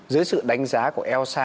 dưới sự đánh giá của elsa